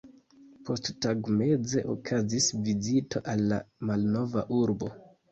Posttagmeze okazis vizito al la malnova urbo.